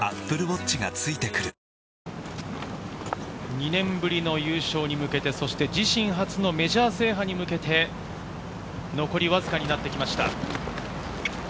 ２年ぶりの優勝に向けて、そして自身初のメジャー制覇に向けて、残りわずかになってきました。